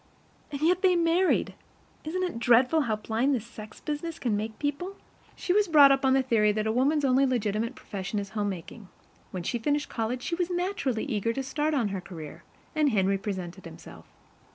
And yet they MARRIED. Isn't it dreadful how blind this sex business can make people? She was brought up on the theory that a woman's only legitimate profession is homemaking. When she finished college, she was naturally eager to start on her career, and Henry presented himself.